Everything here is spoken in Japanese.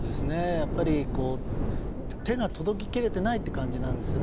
やっぱり、手が届き切れていない感じなんですね。